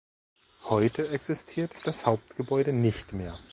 Heute existiert das Hauptgebäude nicht mehr.